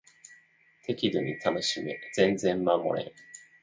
適度に楽しめ全然守れん